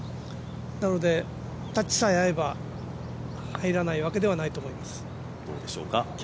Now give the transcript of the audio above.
なので、タッチさえ合えば入らないわけじゃないと思います。